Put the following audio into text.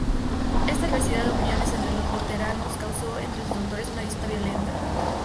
Esta diversidad de opiniones entre los luteranos causó entre sus doctores una disputa violenta.